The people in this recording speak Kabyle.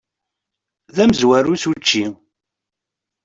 D amezwaru s učči!